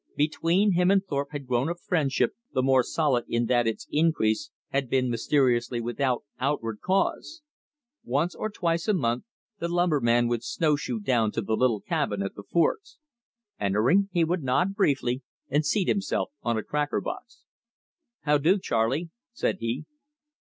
Between him and Thorpe had grown a friendship the more solid in that its increase had been mysteriously without outward cause. Once or twice a month the lumberman would snowshoe down to the little cabin at the forks. Entering, he would nod briefly and seat himself on a cracker box. "How do, Charley," said he.